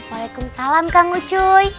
waalaikumsalam tangguh soi